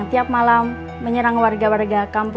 ga ada orang yang bisa menyesuaikan aku